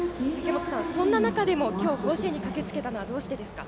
そんな中でも今日、甲子園に駆けつけたのはどうしてですか？